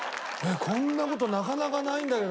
こんな事なかなかないんだけどね。